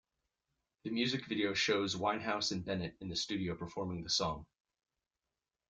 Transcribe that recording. The music video shows Winehouse and Bennett in the studio performing the song.